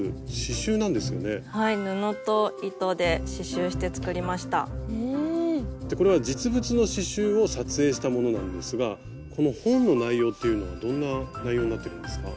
そしてこれは実物の刺しゅうを撮影したものなんですがこの本の内容っていうのはどんな内容になってるんですか？